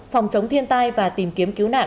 phòng chống thiên tai và tìm kiếm cứu nạn